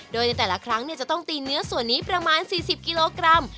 โดยในแต่ละครั้งจะต้องตีเนื้อส่วนนี้ประมาณ๔๐กิโลกรัม